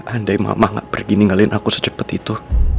andai mama gak pergi ninggalin aku secepat itu